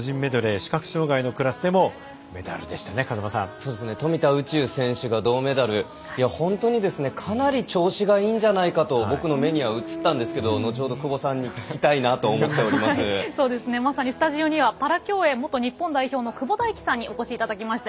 視覚障がいのクラスでも富田宇宙選手が銅メダル本当にかなり調子がいいんじゃないかと僕の目には映ったんですが後ほど久保さんに聞きたいとまさにスタジオにはパラ競泳、元日本代表の久保大樹さんにお越しいただきました。